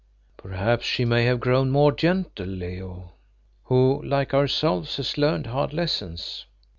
"Perhaps she may have grown more gentle, Leo, who, like ourselves, has learned hard lessons."